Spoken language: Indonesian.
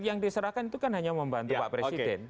yang diserahkan itu kan hanya membantu pak presiden